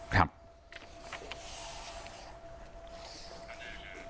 ครับ